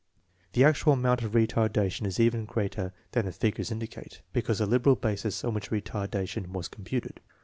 The actual amount of retardation is even greater than the figures indicate, because of the liberal basis on which retardation was computed.